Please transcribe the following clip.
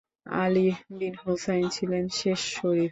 আলি বিন হুসাইন ছিলেন শেষ শরিফ।